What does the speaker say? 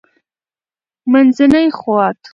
-منځنی خوات: